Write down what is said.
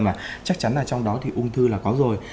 mà chắc chắn là trong đó thì ung thư là có rồi